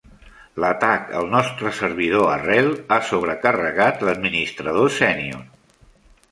L'atac al nostre servidor arrel ha sobrecarregat l'administrador sènior.